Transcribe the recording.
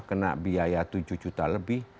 kena biaya tujuh juta lebih